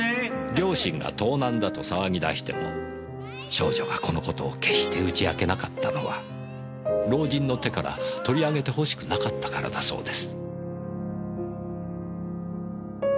両親が盗難だと騒ぎ出しても少女がこの事を決して打ち明けなかったのは老人の手から取り上げてほしくなかったからだそうです。